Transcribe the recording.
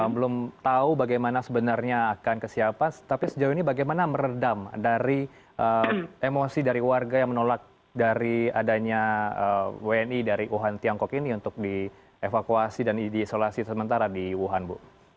belum tahu bagaimana sebenarnya akan ke siapa tapi sejauh ini bagaimana meredam dari emosi dari warga yang menolak dari adanya wni dari wuhan tiongkok ini untuk dievakuasi dan diisolasi sementara di wuhan ibu